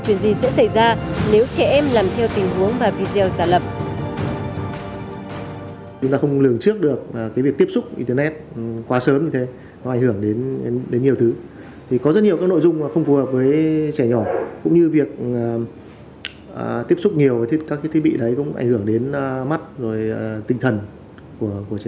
chuyện gì sẽ xảy ra nếu trẻ em làm theo tình huống và video giả lập